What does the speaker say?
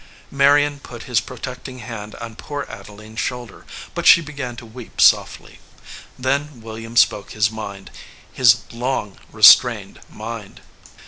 Marion put his protecting hand on poor Ade line s shoulder, but she began to weep softly. Then William spoke his mind, his long restrained mind.